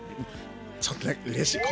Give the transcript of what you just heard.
ちょっとうれしい！